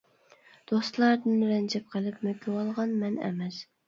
دوستلاردىن رەنجىپ قېلىپ، مۆكۈۋالغان مەن ئەمەس.